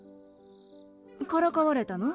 からかわれたの？